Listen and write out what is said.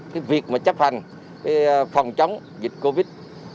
cái việc mà chấp hành phòng chống dịch covid